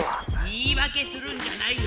言いわけするんじゃないよ。